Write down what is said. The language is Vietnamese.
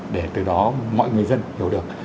để từ đó mọi người dân hiểu được